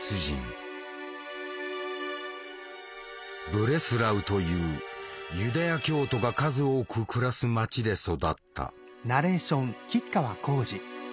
ブレスラウというユダヤ教徒が数多く暮らす町で育った。